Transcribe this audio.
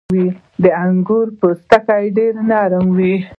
• د انګورو پوستکی ډېر نری وي.